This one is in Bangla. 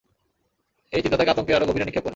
এই চিন্তা তাকে আতঙ্কের আরো গভীরে নিক্ষেপ করে।